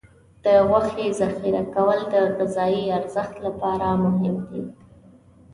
د غوښې ذخیره کول د غذايي ارزښت لپاره مهم دي.